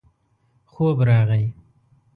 خوب راغی.